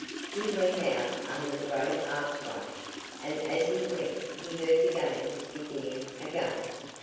He went out under the great archway, and as he went he heard the games beginning again.